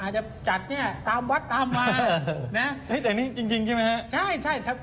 อาจจะจัดตามวัดตามมาแต่นี่จริงใช่ไหมครับ